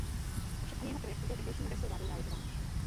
Avšak ani jeho projekt nebyl tehdejší maďarskou vládou realizován.